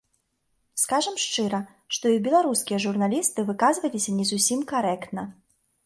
Скажам шчыра, што і беларускія журналісты выказваліся не зусім карэктна.